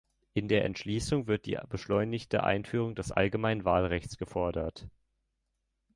In der Entschließung wird die beschleunigte Einführung des allgemeinen Wahlrechts gefordert.